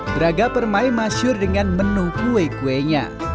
braga permai masyur dengan menu kue kuenya